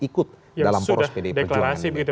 sudah deklarasi begitu